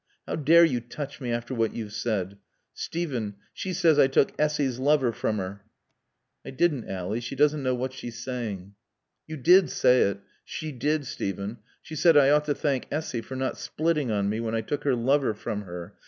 How dare you touch me after what you've said. Steven she says I took Essy's lover from her." "I didn't, Ally. She doesn't know what she's saying." "You did say it. She did, Steven. She said I ought to thank Essy for not splitting on me when I took her lover from her.